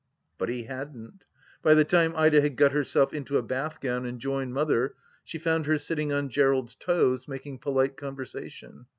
... But he 'hadn't. By the time Ida had got herself into a bath gown and joined Mother, she found her sitting on Gerald's toes, making polite conversation.